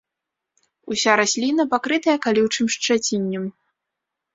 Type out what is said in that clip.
Уся расліна пакрытая калючым шчаціннем.